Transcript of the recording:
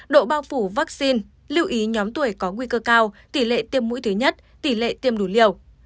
độ bao phủ vaccine lưu ý nhóm tuổi có nguy cơ cao tỷ lệ tiêm mũi thứ nhất tỷ lệ tiêm đủ liều